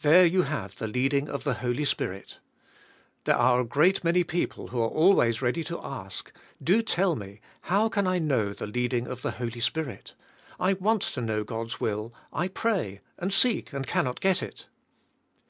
There you have the leading of the Holy Spirit. There are a great many people who are always ready to ask, '' Do tell me, how can I know the leading of the Holy Spirit? I want to know God's will, I pray, and seek, and can not get it."